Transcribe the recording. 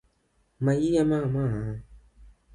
Mayie Mama!